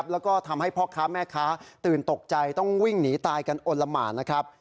แล้วก็ทำให้พ่อค้าแม่ค้าตื่นตกใจต้องวิ่งหนีตายกันอลละหมานนะครับ